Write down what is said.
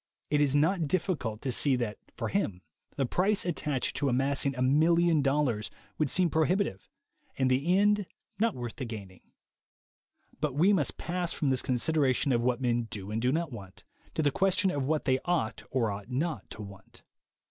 It is 50 THE WAY TO WILL POWER not difficult to see that for him the price attached to amassing a million dollars would seem prohibi tive, and the end not worth the gaining. But we must pass from this consideration of what men do and do not want, to the question of what they ought or ought not to want.